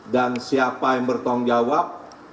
dan siapa yang bertanggung jawab